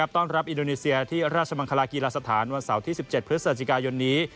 ต้อนรับอินโดนีเซียที่ราชมังคลากีฬาสถานวันเสาร์ที่๑๗พฤศจิกายนนี้